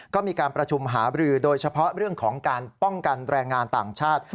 ก็มีการประชุมหาบรือโดยเฉพาะเรื่องของการป้องกันแรงงานต่างชาติ